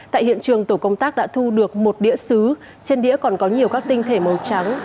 tại hiện trường tổ công tác đã thu được một đĩa xứ trên đĩa còn có nhiều các tinh thể màu trắng